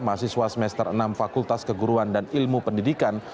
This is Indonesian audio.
mahasiswa semester enam fakultas keguruan dan ilmu pendidikan